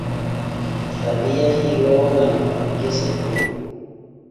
Sabi yahi looŋal far gese ton.